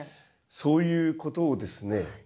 そういうことをですね